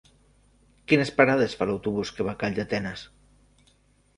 Quines parades fa l'autobús que va a Calldetenes?